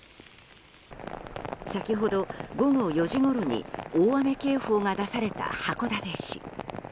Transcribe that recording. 先ほど、午後４時ごろに大雨警報が出された函館市。